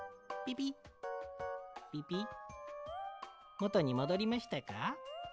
もとにもどりましたか？